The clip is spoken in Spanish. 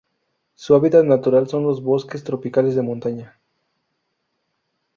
Su hábitat natural son los bosques tropicales de montaña.